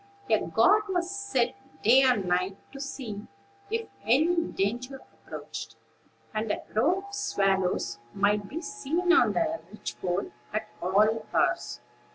A guard was set day and night, to see if any danger approached; and a row of swallows might be seen on the ridgepole at all hours.